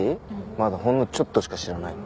まだほんのちょっとしか知らないの？